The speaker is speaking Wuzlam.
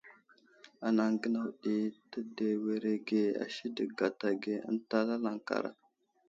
Anaŋ gənaw ɗi tədewerege a sədek gata ge ənta lalaŋkara.